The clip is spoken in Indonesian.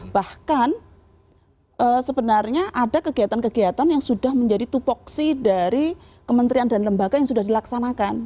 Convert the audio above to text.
bahkan sebenarnya ada kegiatan kegiatan yang sudah menjadi tupoksi dari kementerian dan lembaga yang sudah dilaksanakan